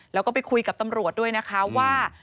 แล้วก็ไปคุยกับตำรวจด้วยนะคะว่า